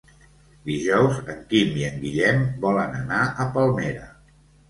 Dijous en Quim i en Guillem volen anar a Palmera.